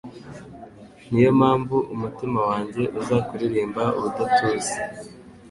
Ni yo mpamvu umutima wanjye uzakuririmba ubudatuza